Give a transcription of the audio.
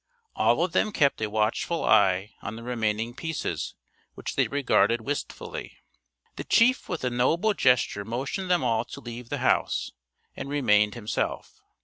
All of them kept a watchful eye on the remaining pieces which they regarded wistfully. The chief with a noble gesture motioned them all to leave the house and remained himself.